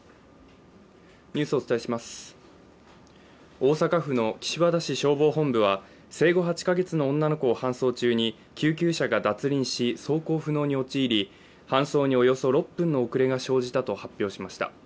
大阪府の岸和田市消防本部は生後８か月の女の子を搬送中に救急車が脱輪し走行不能に陥り搬送におよそ６分の遅れが生じたと発表しました。